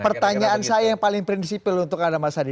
pertanyaan saya yang paling prinsipil untuk anda mas hadi